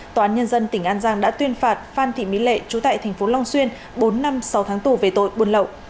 tòa án nhân dân tỉnh an giang đã tuyên phạt phan thị mỹ lệ chú tại thành phố long xuyên bốn năm sáu tháng tù về tội buôn lậu